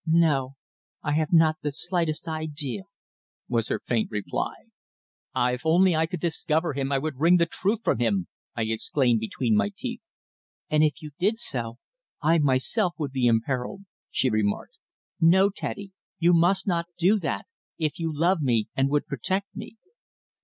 "No. I have not the slightest idea," was her faint reply. "Ah! If only I could discover him I would wring the truth from him," I exclaimed between my teeth. "And if you did so, I myself would be imperilled," she remarked. "No, Teddy, you must not do that if if you love me and would protect me."